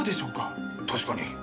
確かに。